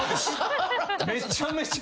めちゃめちゃ。